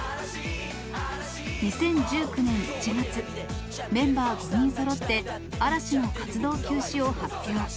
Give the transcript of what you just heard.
２０１９年１月、メンバー５人そろって嵐の活動休止を発表。